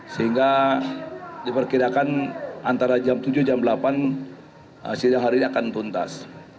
sehingga diperkirakan antara jam tujuh jam delapan sidang hari ini akan tuntas